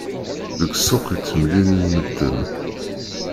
Deg ssuq i ttemlilin medden.